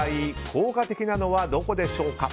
効果的なのはどこでしょうか。